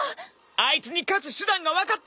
あいつに勝つ手段が分かった！